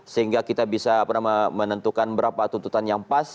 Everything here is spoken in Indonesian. sehingga kita bisa menentukan berapa tuntutan yang pas